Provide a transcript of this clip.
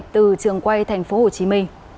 từ trường quay tp hcm